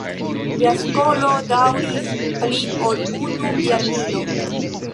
Lia skolo daŭris pli ol unu jarmilo.